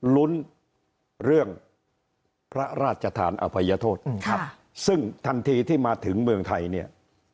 ลุ้นเรื่องพระราชธานอภัยโทษซึ่งทันทีที่มาถึงเมืองไทยเนี่ย